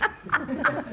ハハハハ！